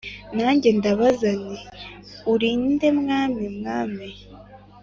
Nanjye ndabaza nti Uri nde Mwami Umwami